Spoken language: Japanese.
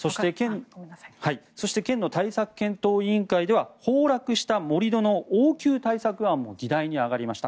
そして、県の対策検討委員会では崩落した盛り土の応急対策案も議題に挙がりました。